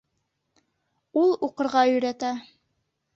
Ул уҡырға өйрәтә